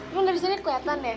emang dari sini keliatan ya